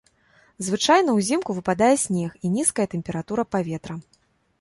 Звычайна ўзімку выпадае снег і нізкая тэмпература паветра.